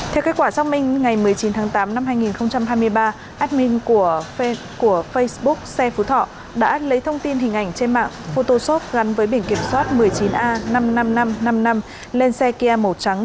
theo kết quả xác minh ngày một mươi chín tháng tám năm hai nghìn hai mươi ba admin của facebook xe phú thọ đã lấy thông tin hình ảnh trên mạng photoshop gắn với biển kiểm soát một mươi chín a năm mươi năm nghìn năm trăm năm mươi năm lên xe kia màu trắng